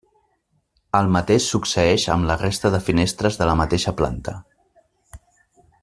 El mateix succeeix amb la resta de finestres de la mateixa planta.